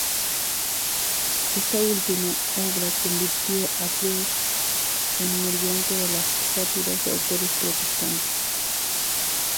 Esta última obra convirtió a Fries en blanco de las sátiras de autores protestantes.